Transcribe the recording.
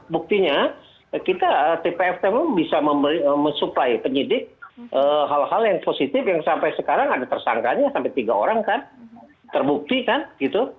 buktinya kita tpf memang bisa mensuplai penyidik hal hal yang positif yang sampai sekarang ada tersangkanya sampai tiga orang kan terbukti kan gitu